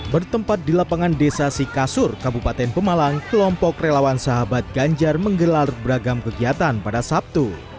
bertempat di lapangan desa sikasur kabupaten pemalang kelompok relawan sahabat ganjar menggelar beragam kegiatan pada sabtu